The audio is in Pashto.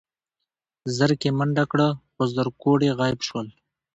زرکې منډه کړه خو زرکوړي غيب شول.